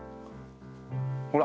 ほら！